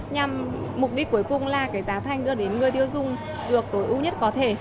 nhằm mục đích cuối cùng là cái giá thành đưa đến người tiêu dùng được tối ưu nhất có thể